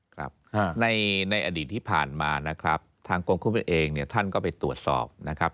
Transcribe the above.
ครับในอดีตที่ผ่านมานะครับทางกรมควบคุมเองเนี่ยท่านก็ไปตรวจสอบนะครับ